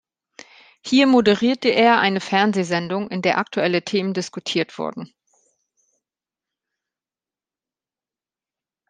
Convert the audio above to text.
Hier moderierte er eine Fernsehsendung, in der aktuelle Themen diskutiert wurden.